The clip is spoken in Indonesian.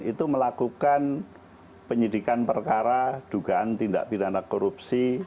itu melakukan penyidikan perkara dugaan tindak pidana korupsi